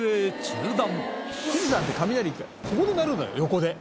「富士山って雷ってここで鳴るのよ横で」